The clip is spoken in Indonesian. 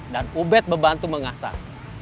dan ubed membantu mengasah